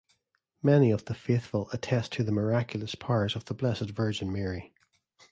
Many of the faithful attest to the miraculous powers of the Blessed Virgin Mary.